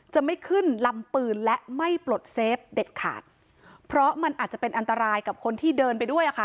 จะไม่ขึ้นลำปืนและไม่ปลดเซฟเด็ดขาดเพราะมันอาจจะเป็นอันตรายกับคนที่เดินไปด้วยอ่ะค่ะ